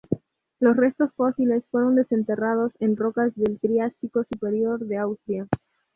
Los restos fósiles fueron desenterrados en rocas del Triásico Superior de Austria.